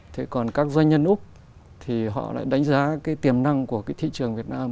thế còn các doanh nhân úc thì họ lại đánh giá cái tiềm năng của cái thị trường việt nam